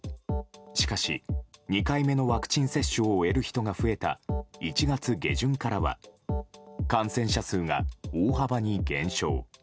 しかし、２回目のワクチン接種を終える人が増えた１月下旬からは感染者数が大幅に減少。